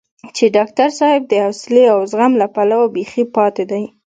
چې ډاکټر صاحب د حوصلې او زغم له پلوه بېخي پاتې دی.